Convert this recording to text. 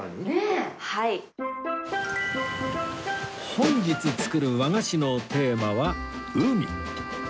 本日作る和菓子のテーマは「海」